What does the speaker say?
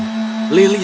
lily sangat mencintai